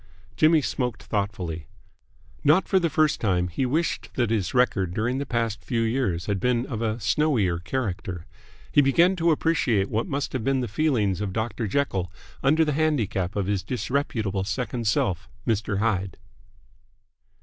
Jimmy smoked thoughtfully. Not for the first time he wished that his record during the past few years had been of a snowier character. He began to appreciate what must have been the feelings of Dr. Jekyll under the handicap of his disreputable second self, Mr. Hyde.